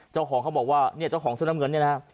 เจ้าของเขาบอกว่าเจ้าของเสื้อน้ำเหลือนนี้นะฮะ